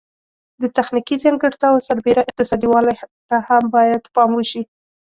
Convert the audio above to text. د تخنیکي ځانګړتیاوو سربیره اقتصادي والی ته هم باید پام وشي.